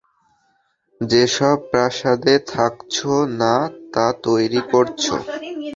যে সব প্রাসাদে থাকছো না তা তৈরী করছো!